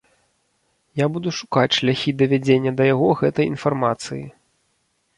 Я буду шукаць шляхі давядзення да яго гэтай інфармацыі.